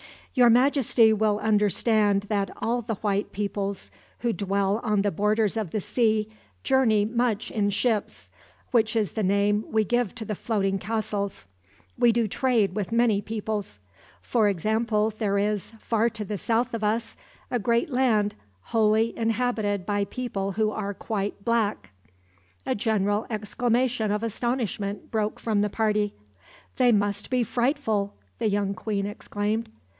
"Your Majesty will understand that all the white peoples who dwell on the borders of the sea journey much in ships, which is the name we give to the floating castles. We do trade with many peoples. For example there is, far to the south of us, a great land wholly inhabited by people who are quite black." A general exclamation of astonishment broke from the party. "They must be frightful!" the young queen exclaimed.